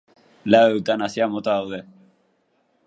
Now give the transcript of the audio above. Lau eutanasia mota daude.